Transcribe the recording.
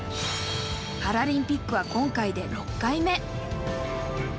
パラリンピックは今回で６回目。